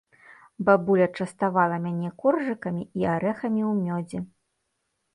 Бабуля частавала мяне коржыкамі і арэхамі ў мёдзе.